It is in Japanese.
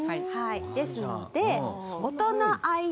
ですので。